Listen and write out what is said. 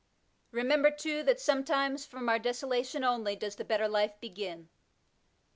Remember, too, that sometimes '^ from our desolation only does the better life begin."